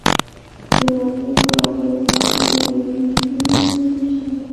د غزني په اجرستان کې د لیتیم نښې شته.